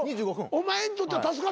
お前にとっては助かったやろ？